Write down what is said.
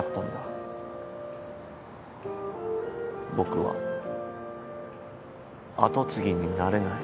僕は跡継ぎになれない。